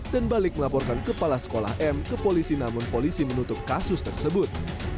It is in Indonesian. dan balik melaporkan kepala sekolah m ke polisi namun polisi menutup kasus tersebut